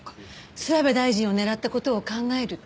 諏訪部大臣を狙った事を考えると。